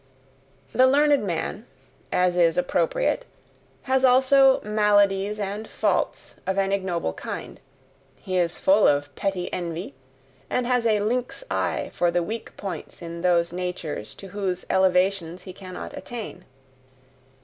The learned man, as is appropriate, has also maladies and faults of an ignoble kind: he is full of petty envy, and has a lynx eye for the weak points in those natures to whose elevations he cannot attain.